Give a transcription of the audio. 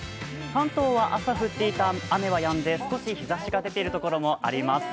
関東は朝降っていた雨はやんで、少し日ざしが出ているところもあります。